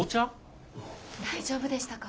大丈夫でしたか？